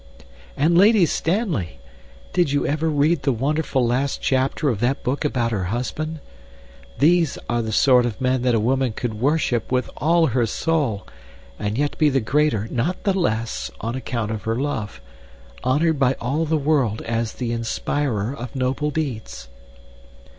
And Lady Stanley! Did you ever read the wonderful last chapter of that book about her husband? These are the sort of men that a woman could worship with all her soul, and yet be the greater, not the less, on account of her love, honored by all the world as the inspirer of noble deeds."